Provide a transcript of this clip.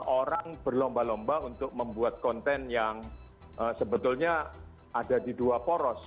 orang berlomba lomba untuk membuat konten yang sebetulnya ada di dua poros